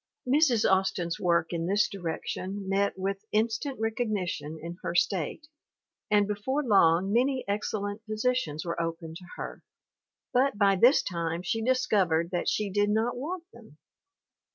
Mrs. Austin's work in this direction met with in stant recognition in her state, and before long many excellent positions were open to her, but by this time she discovered that she did not want them.